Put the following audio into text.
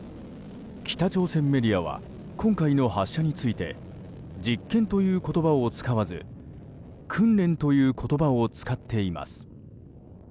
北朝鮮メディアは今回の発射について実験という言葉を使わず訓練という言葉を使っています。